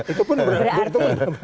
itu pun berarti